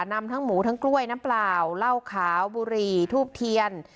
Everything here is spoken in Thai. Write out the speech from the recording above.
นำทั้งหมูทั้งกล้วยน้ำเปล่าเหล้าขาวบุหรี่ทูบเทียน